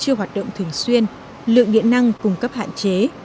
hoạt động thường xuyên lượng điện năng cung cấp hạn chế